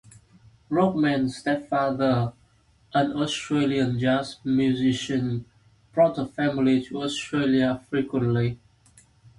Rockman's stepfather, an Australian jazz musician, brought the family to Australia frequently.